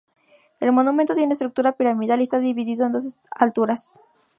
El monumento tiene estructura piramidal y está dividido en dos alturas.